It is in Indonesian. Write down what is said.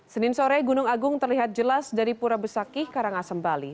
senin sore gunung agung terlihat jelas dari pura besakih karangasem bali